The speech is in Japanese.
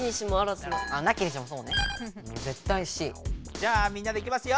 じゃあみんなでいきますよ。